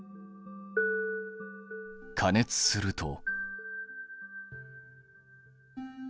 加熱すると。